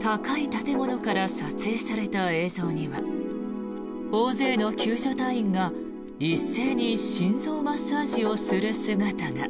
高い建物から撮影された映像には大勢の救助隊員が一斉に心臓マッサージをする姿が。